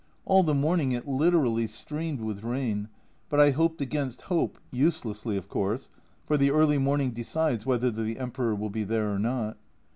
All the morning it literally streamed with rain, but I hoped against hope, uselessly, of course, for the early morning decides whether the Emperor will be there or not.